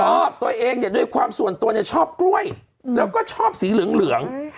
ตัวเองเนี่ยด้วยความส่วนตัวเนี่ยชอบกล้วยแล้วก็ชอบสีเหลือง